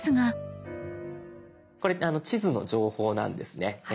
これ地図の情報なんですね。